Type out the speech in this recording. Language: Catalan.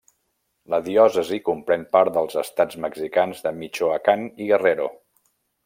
La diòcesi comprèn part dels estats mexicans de Michoacán i Guerrero.